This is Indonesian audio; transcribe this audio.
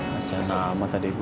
masih lama tadi gue